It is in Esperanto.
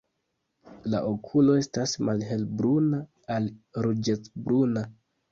La okulo estas malhelbruna al ruĝecbruna.